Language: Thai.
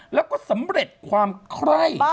แล้วก็สำเร็จความไคร่